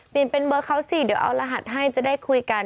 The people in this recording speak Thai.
เป็นเบอร์เขาสิเดี๋ยวเอารหัสให้จะได้คุยกัน